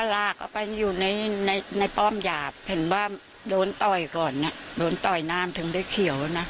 ลากเข้าไปอยู่ในป้อมหยาบเห็นว่าโดนต่อยก่อนโดนต่อยน้ำถึงได้เขียวนะ